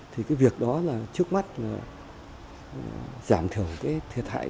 thì cái việc đó là trước mắt là giảm thiểu cái thiệt hại